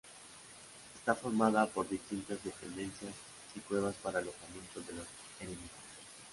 Está formada por distintas dependencias y cuevas para alojamiento de los eremitas.